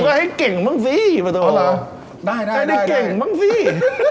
ก็ให้เก่งบ้างสิโอ้โหได้ได้ได้เก่งบ้างสิ